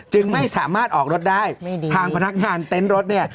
จึงไม่สามารถออกรถได้ทางพนักงานเต็นต์รถเนี่ย